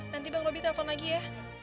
nanti bang roby telepon lagi ya